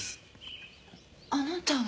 あなたは？